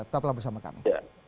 tetaplah bersama kami